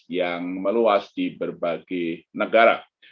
yang meluas di berbagai negara